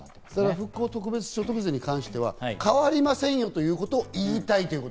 復興特別所得税に関しては変わりませんよと言いたいわけ。